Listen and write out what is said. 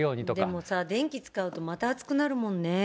でも電気使うとまた暑くなるもんね。